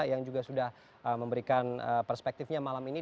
yang juga sudah memberikan perspektifnya malam ini